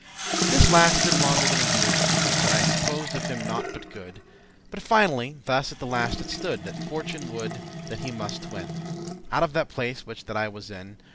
"This lasted longer than a year or two, That I supposed of him naught but good. But finally, thus at the last it stood, That fortune woulde that he muste twin* *depart, separate Out of that place which that I was in.